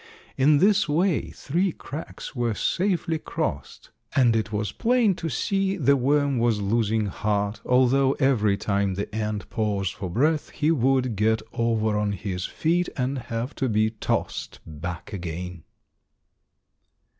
In this way three cracks were safely crossed, and it was plain to see the worm was losing heart, although every time the ant paused for breath he would get over on his feet and have to be tossed back again.